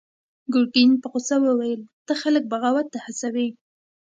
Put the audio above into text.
ګرګين په غوسه وويل: ته خلک بغاوت ته هڅوې!